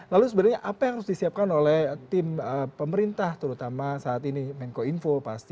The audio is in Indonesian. lalu sebenarnya apa yang harus disiapkan oleh tim pemerintah terutama saat ini menko info